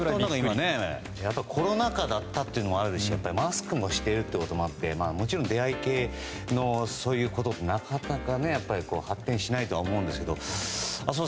コロナ禍だったというのもあるしマスクしていることもあってもちろん出会い系のそういうことになかなか、発展しないとは思うんですけど。